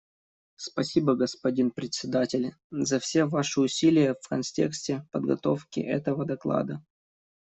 Спасибо, господин Председатель, за все Ваши усилия в контексте подготовки этого доклада.